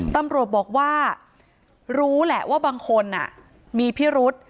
ตำรวจบอกว่ารู้แหละว่าบางคนมีพิรุษ